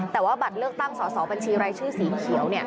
แต่ว่าบัตรเลือกตั้งสอสอบัญชีรายชื่อสีเขียว